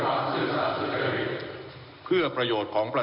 ก็ได้มีการอภิปรายในภาคของท่านประธานที่กรกครับ